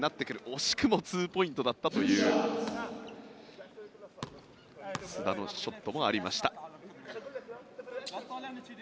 惜しくもツーポイントだったという須田のショットもありました。